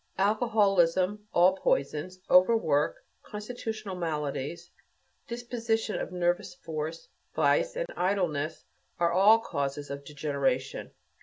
Alcoholism, all poisons, overwork, constitutional maladies, dissipation of nervous force, vice, and idleness, are all causes of degeneration.